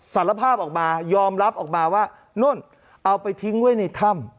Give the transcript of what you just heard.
สารภาพออกมายอมรับออกมาว่านู่นเอาไปทิ้งไว้ในถ้ำ